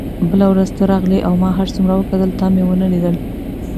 بله ورځ ته راغلې او ما هر څومره وکتل تا مې ونه لیدل.